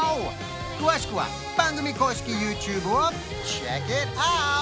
詳しくは番組公式ＹｏｕＴｕｂｅをＣｈｅｃｋｉｔｏｕｔ！